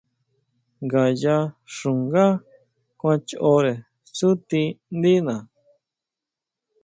Ngayá xungá kuan choʼre tsútindina.